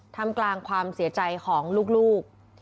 ทำกลางความเสียใจของลูก